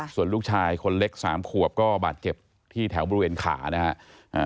ส่วนลูกชายคนเล็ก๓ขวบก็บาดเก็บที่แถวบรูเวนขานะครับ